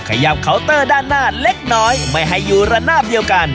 เยาเตอร์ด้านหน้าเล็กน้อยไม่ให้อยู่ระนาบเดียวกัน